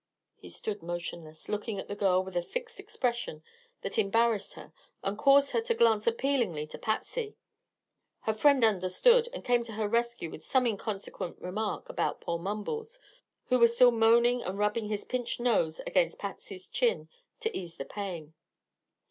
He stood motionless, looking at the girl with a fixed expression that embarrassed her and caused her to glance appealingly at Patsy. Her friend understood and came to her rescue with some inconsequent remark about poor Mumbles, who was still moaning and rubbing; his pinched nose against Patsy's chin to ease the pain.